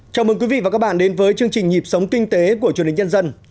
chào mừng quý vị và các bạn đến với chương trình nhịp sống kinh tế của truyền hình nhân dân